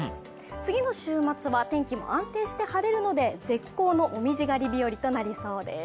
次の週末は天気も安定して晴れるので絶好の紅葉狩り日和となりそうです。